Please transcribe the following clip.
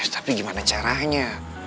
tapi gimana caranya